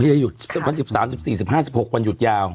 ไม่ได้หยุดคะวันสิบสามสิบสี่สิบห้าสิบหกวันหยุดยาว